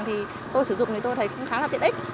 thì tôi sử dụng thì tôi thấy cũng khá là tiện ích